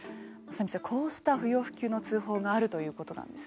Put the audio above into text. こうした不要不急の通報があるということなんです。